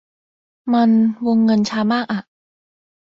มัน วงเงินช้ามากอะ